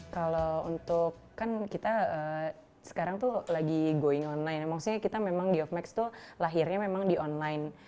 kalau untuk kan kita sekarang tuh lagi going online ya maksudnya kita memang di off max tuh lahirnya memang di online